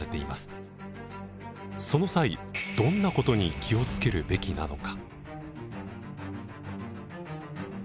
その際どんなことに気をつけるべきなのか？